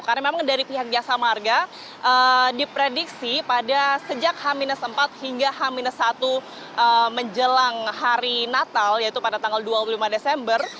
karena memang dari pihak jasa marga diprediksi pada sejak h empat hingga h satu menjelang hari natal yaitu pada tanggal dua puluh lima desember